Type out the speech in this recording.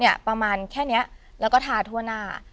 เนี่ยประมาณแค่เนี่ยแล้วก็ทาทั่วหน้า